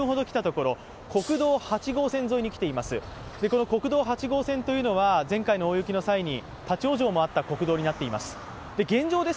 この国道８号線というのは前回の大雪の際に立往生もあった国道になっています。